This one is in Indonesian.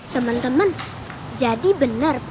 temen temen jadi bener